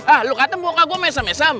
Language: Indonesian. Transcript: ah lu katem muka gua mesem mesem